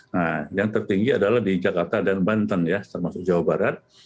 nah yang tertinggi adalah di jakarta dan banten ya termasuk jawa barat